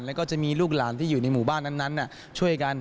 แล้วก็จะมีลูกหลานที่อยู่ในหมู่บ้านนั้นช่วยกัน